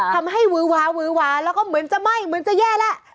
ทำให้วือหวาวื้อหวาแล้วก็เหมือนจะไหม้เหมือนจะแย่แล้ว